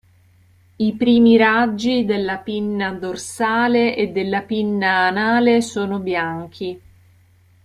I primi raggi della pinna dorsale e della pinna anale sono bianchi.